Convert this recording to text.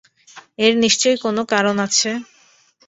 এর নিশ্চয়ই কোনো কারণ আছে।